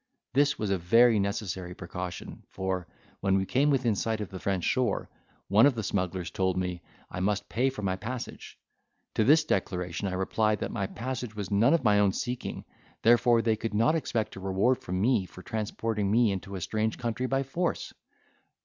This was a very necessary precaution, for, when we came within sight of the French shore, one of the smugglers told me, I must pay for my passage. To this declaration I replied, that my passage was none of my own seeking; therefore they could not expect a reward from me for transporting me into a strange country by force.